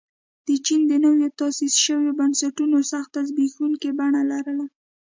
د چین نویو تاسیس شویو بنسټونو سخته زبېښونکې بڼه لرله.